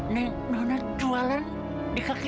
neng nona jualan di kaki lima